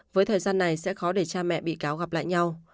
với thời gian này sẽ khó để cha mẹ bị cáo gặp lại nhau